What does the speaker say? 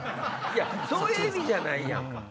そういう意味じゃないやん。